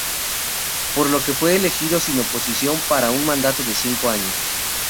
Por lo que fue elegido sin oposición para un mandato de cinco años.